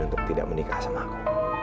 untuk tidak menikah sama aku